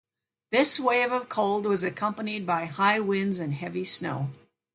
This wave of cold was accompanied by high winds and heavy snow.